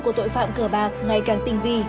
của tội phạm cờ bạc ngày càng tinh vi